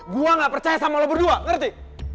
gue gak percaya sama lo berdua ngerti